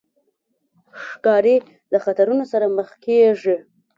ښکاري د خطرونو سره مخ کېږي.